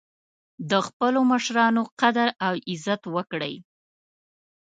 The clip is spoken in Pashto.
د خپلو مشرانو قدر او عزت وکړئ